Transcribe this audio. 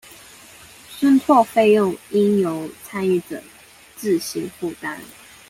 信託費用應由參與者自行負擔